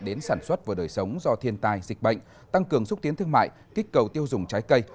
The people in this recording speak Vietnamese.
đến sản xuất và đời sống do thiên tai dịch bệnh tăng cường xúc tiến thương mại kích cầu tiêu dùng trái cây